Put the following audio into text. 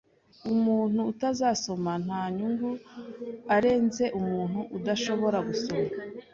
Umuntu utazasoma nta nyungu arenze umuntu udashobora gusoma.